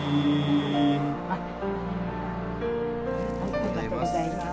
ありがとうございます。